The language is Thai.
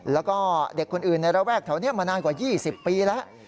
แล้วก็เด็กคนอื่นในระแวกแถวนี้มานานกว่า๒๐ปีแล้ว